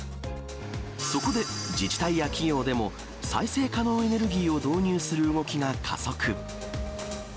そこで自治体や企業でも、再生可能エネルギーを導入する動きが加速。